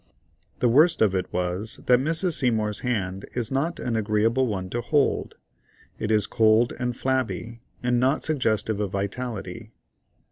The worst of it was that Mrs. Seymour's hand is not an agreeable one to hold; it is cold and flabby, and not suggestive of vitality.